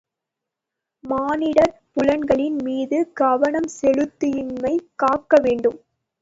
மானிடர் புலன்களின் மீது கவனம் செலுத்தித்துய்மை காக்க வேண்டும்.